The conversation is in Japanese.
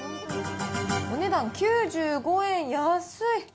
お値段９５円、安い。